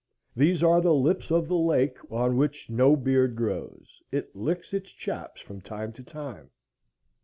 These are the lips of the lake on which no beard grows. It licks its chaps from time to time.